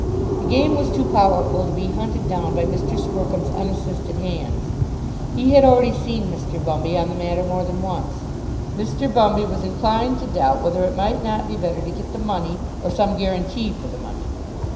The game was too powerful to be hunted down by Mr. Squercum's unassisted hands. He had already seen Mr. Bumby on the matter more than once. Mr. Bumby was inclined to doubt whether it might not be better to get the money, or some guarantee for the money.